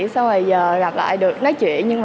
xong rồi giờ gặp lại được nói chuyện